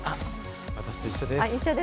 私と一緒です。